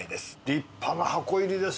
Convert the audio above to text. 立派な箱入りですねこれ。